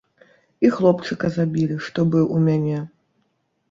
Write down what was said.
І хлопчыка забілі, што быў у мяне.